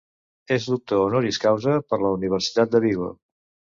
És doctor "honoris causa" per la Universitat de Vigo.